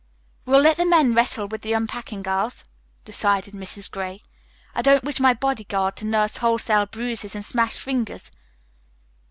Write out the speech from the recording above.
"We'll let the men wrestle with the unpacking, girls," decided Mrs. Gray. "I don't wish my body guard to nurse wholesale bruises and smashed fingers.